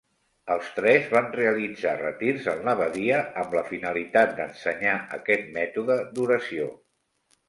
Els tres van realitzar retirs en l'abadia amb la finalitat d'ensenyar aquest mètode d'oració.